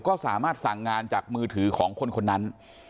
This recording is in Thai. ก็สามารถสั่งงานจากมือถือของคนคนนั้น